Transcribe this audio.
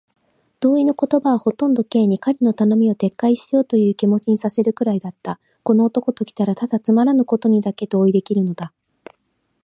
同意の言葉はほとんど Ｋ に、彼の頼みを撤回しようというという気持にさせるくらいだった。この男ときたら、ただつまらぬことにだけ同意できるのだ。